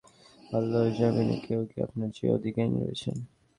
আল্লাহর যমীনে কি কেউ আপনার চেয়ে অধিক জ্ঞানী রয়েছেন?